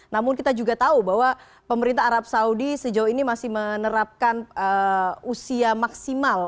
namun kita juga tahu bahwa pemerintah arab saudi sejauh ini masih menerapkan usia maksimal